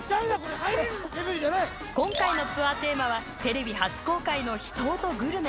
今回のツアーテーマはテレビ初公開の秘湯とグルメ。